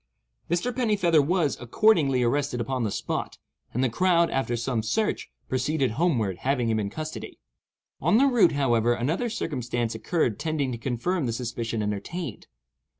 Mr. Pennifeather was, accordingly, arrested upon the spot, and the crowd, after some further search, proceeded homeward, having him in custody. On the route, however, another circumstance occurred tending to confirm the suspicion entertained.